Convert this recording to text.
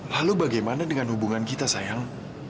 lalu bagaimana dengan hubungan kita sayang